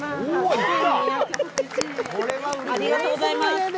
ありがとうございます。